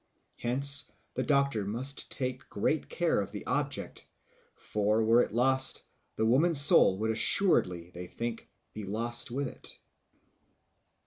Hence the doctor must take great care of the object; for were it lost, the woman's soul would assuredly, they think, be lost with it.